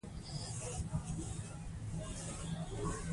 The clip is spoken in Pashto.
سیاسي بنسټونه قانون پلي کوي